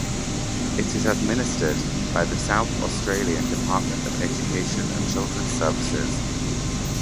It is administered by the South Australian Department of Education and Children's Services.